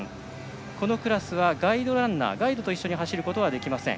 このクラスはガイドランナーと一緒に走ることはできません。